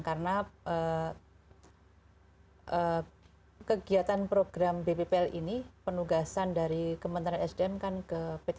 karena kegiatan program bpbl ini penugasan dari kementerian sdm kan ke pt pt sdm